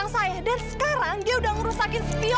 saya bayar bu di kampus ini